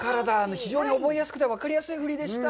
非常に覚えやすくて、分かりやすい振りでした。